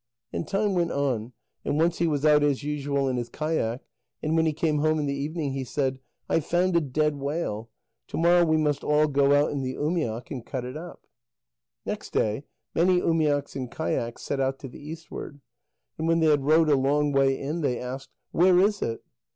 And time went on, and once he was out as usual in his kayak, and when he came home in the evening, he said: "I have found a dead whale; to morrow we must all go out in the umiak and cut it up." Next day many umiaks and kayaks set out to the eastward, and when they had rowed a long way in, they asked: "Where is it?"